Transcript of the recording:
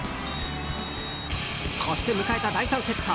そして迎えた第３セット。